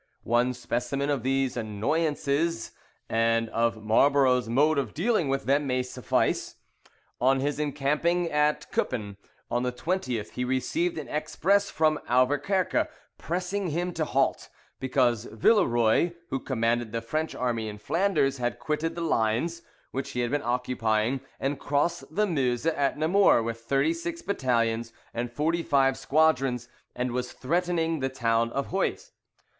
One specimen of these annoyances and of Marlborough's mode of dealing with them may suffice. On his encamping at Kupen, on the 20th, he received an express from Auverquerque pressing him to halt, because Villeroy, who commanded the French army in Flanders, had quitted the lines, which he had been occupying, and crossed the Meuse at Namur with thirty six battalions and forty five squadrons, and was threatening the town of Huys.